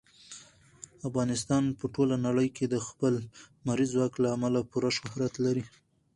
افغانستان په ټوله نړۍ کې د خپل لمریز ځواک له امله پوره شهرت لري.